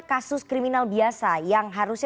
kasus kriminal biasa yang harusnya